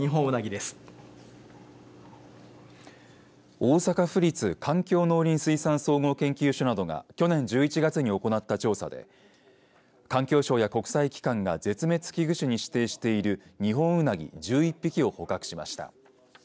大阪府立環境農林水産総合研究所などが去年１１月に行った調査で環境省や国際機関が絶滅危惧種に指定している二ホンウナギ１１匹を捕獲しました。